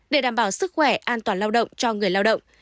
để đảm bảo sức khỏe an toàn lao động cho người lao động